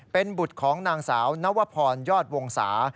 เป็นบุตรของนางสาวนวพรยอดวงศา